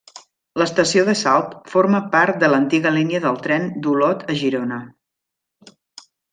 L'estació de Salt forma part de l'antiga línia del tren d'Olot a Girona.